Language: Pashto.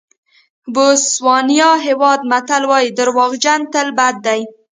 بوسوانیا هېواد متل وایي دروغجن تل بد دي.